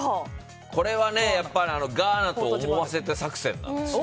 これはガーナと思わせる作戦なんですよ。